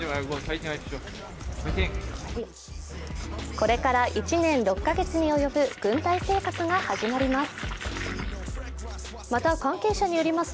これから１年６か月に及ぶ軍隊生活が始まります。